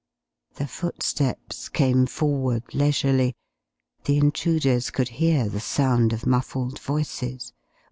... The footsteps came forward leisurely. The intruders could hear the sound of muffled voices.